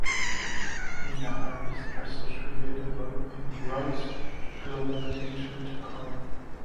Meena Harris also tweeted about and brought global attention to Kaur.